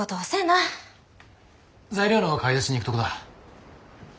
材料の買い出しに行くとこだ。